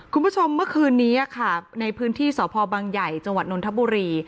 คุณผู้ชมเมื่อคืนนี้ในพื้นที่สบใหญ่จนนทบุรี